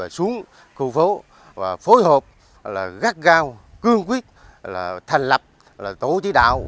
xuống khu phố và phối hợp gắt gao cương quyết thành lập tổ chí đạo